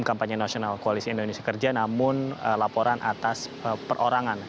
kampanye nasional koalisi indonesia kerja namun laporan atas perorangan